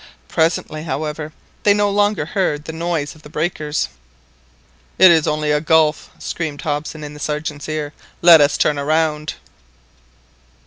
Presently, however, they no longer heard the noise of the breakers. "It is only a gulf." screamed Hobson in the Sergeant's ear. "Let us turn round."